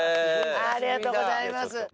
ありがとうございます。